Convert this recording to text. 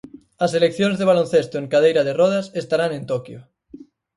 As seleccións de baloncesto en cadeira de rodas estarán en Toquio.